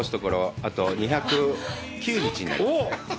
あと２０９日になりましたね。